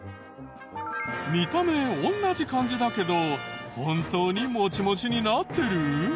見た目同じ感じだけど本当にモチモチになってる？